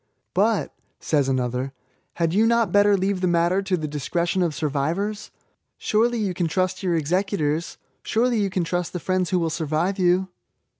'^But," says another, "had you not better leave the matter to the discretion of survivors? Surely you can trust your executors /—surely you can. trust the friends who will survive you."